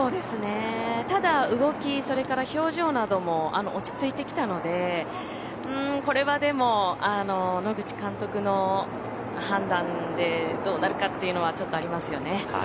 ただ、動きそれから表情なども落ち着いてきたのでこれはでも野口監督の判断でどうなるかっていうのはちょっとありますよね。